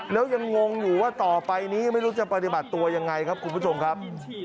แล้วยังงงอยู่ว่าต่อไปนี้ไม่รู้จะปฏิบัติตัวยังไงครับคุณผู้ชมครับ